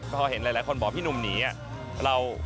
พอเห็นหลายคนบอกพี่หนุ่มหนี